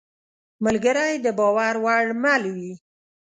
ملګری د باور وړ مل وي.